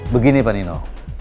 begini pak nino